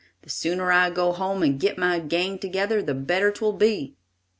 The sooner I go home and get my gang together, the better 'twill be."